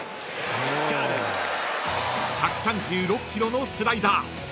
［１３６キロのスライダー。